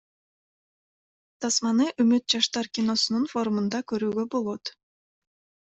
Тасманы Үмүт жаштар киносунун форумунда көрүүгө болот.